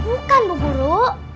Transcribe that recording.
bukan bu guru